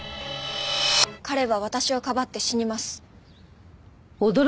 彼は私をかばって死にます。